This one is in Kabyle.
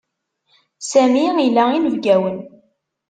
Sami ila inebgiwen.